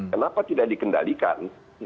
kenapa tidak dikendalikan